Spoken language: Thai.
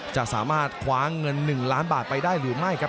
จะสามารถคว้าเงิน๑ล้านบาทไปได้หรือไม่ครับ